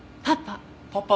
パパ？